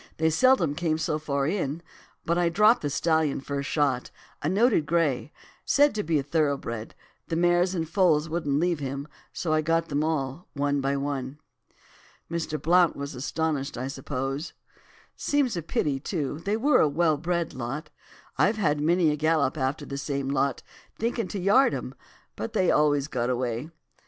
They seldom came so far in; but I dropped the stallion first shot, a noted grey, said to be thoroughbred; the mares and foals wouldn't leave him, so I got them all, one by one.' "'Mr. Blount was astonished, I suppose? Seems a pity, too, they were a well bred lot. I've had many a gallop after the same lot, thinkin' to yard 'em, but they always got away.